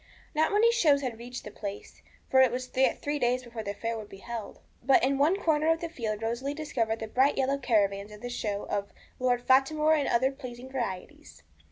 Not many shows had reached the place, for it was yet three days before the fair would be held. But in one corner of the field Rosalie discovered the bright yellow caravans of the show of 'Lord Fatimore and other Pleasing Varieties.'